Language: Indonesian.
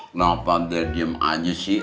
kenapa dia diam aja sih